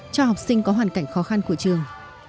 cho học sinh có hoàn cảnh khó khăn của trường